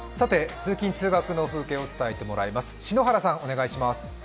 通勤・通学の風景を伝えてもらいます。